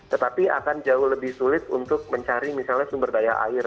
tetapi akan jauh lebih sulit untuk mencari misalnya sumber daya air